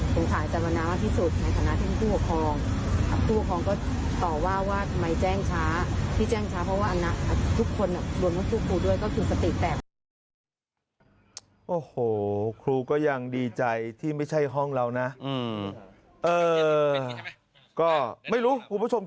ต้องขายจรรยามากที่สุดในฐานะที่ผู้หกครอง